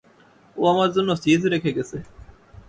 ওহ, আমার জন্য চিজ রেখে গেছে!